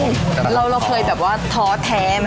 เราเคยแบบว่าท้อแท้ไหม